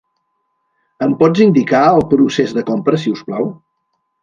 Em pots indicar el procés de compra, si us plau?